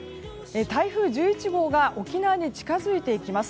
台風１１号が沖縄に近づいていきます。